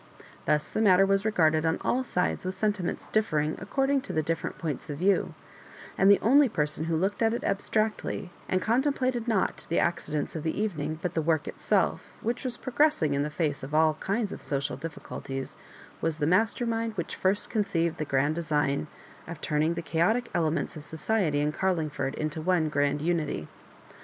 Thus the matter was regarded on all sides with sentiments differing according to the different points of view; and the only per son who looked at it abstractly, and contem plated not the accidents of the evening, but the work itself, which was progressing in the face of all kinds of social difBcuTties, was the master mind whidi first conceived the grand design of turning the chaotic elements of society in Car Ilngford into one grand unity.